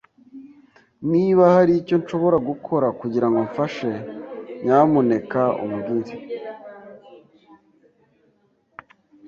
Niba hari icyo nshobora gukora kugirango mfashe, nyamuneka umbwire.